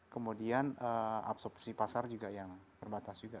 kemudian absorpsi pasar juga yang terbatas juga